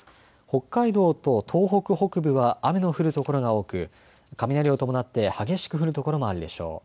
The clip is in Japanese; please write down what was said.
北海道と東北北部は雨の降る所が多く雷を伴って激しく降る所もあるでしょう。